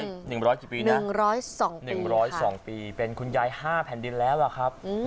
เราจะอายุยืน๑๐๐กี่ปีนะ๑๐๒ปีค่ะ๑๐๒ปีเป็นคุณยาย๕แผ่นดินแล้วอะครับ